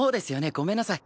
ごめんなさい。